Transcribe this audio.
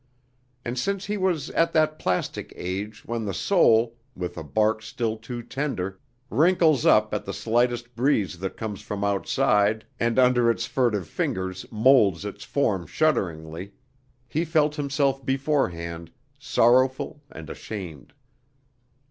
And since he was at that plastic age when the soul, with a bark still too tender, wrinkles up at the slightest breeze that comes from outside and under its furtive fingers molds its form shudderingly, he felt himself beforehand sorrowful and ashamed.